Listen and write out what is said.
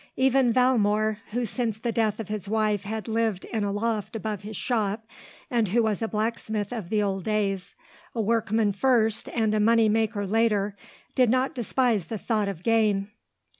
Even Valmore, who since the death of his wife had lived in a loft above his shop and who was a blacksmith of the old days, a workman first and a money maker later, did not despise the thought of gain.